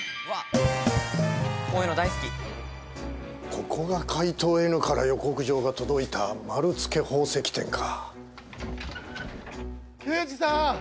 ここが怪盗Ｎから予告状が届いた丸つけ宝石店か。